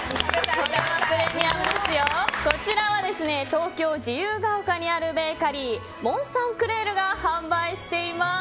こちらは東京自由が丘にあるベーカリーＭＯＮＴＳｔ．ＣＬＡＩＲが販売しています。